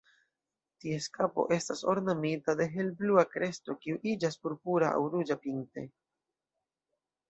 Ties kapo estas ornamita de helblua kresto, kiu iĝas purpura aŭ ruĝa pinte.